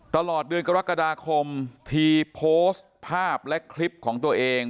ตลอดเดือนกรกฎาคมพีโพสต์ภาพและคลิปของตัวเอง